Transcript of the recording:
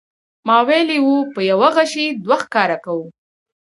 ما ویلي و په یوه غیشي دوه ښکاره کوو.